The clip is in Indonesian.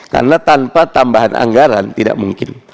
karena tanpa tambahan anggaran tidak mungkin